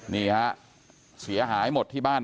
นี่ฮะเสียหายหมดที่บ้าน